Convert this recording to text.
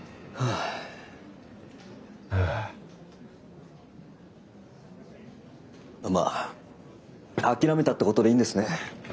あっまあ諦めたってことでいいんですね？